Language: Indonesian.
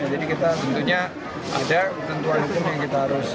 jadi kita tentunya ada ketentuan itu yang kita harus